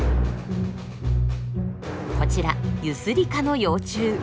こちらユスリカの幼虫。